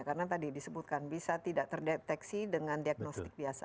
karena tadi disebutkan bisa tidak terdeteksi dengan diagnostik biasa